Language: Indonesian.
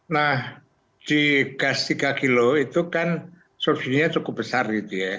nah di gas tiga kg itu kan subsidinya cukup besar gitu ya